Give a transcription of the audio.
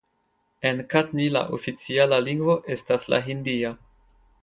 En Katni la oficiala lingvo estas la hindia.